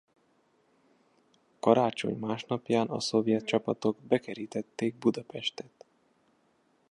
Karácsony másnapján a szovjet csapatok bekerítették Budapestet.